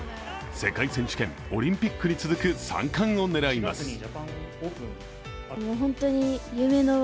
世界選手権、オリンピックに続く三冠を狙います。